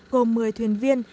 gồm một mươi thuyền viên